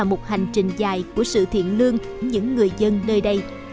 đó là một hành trình dài của sự thiện lương những người dân nơi đây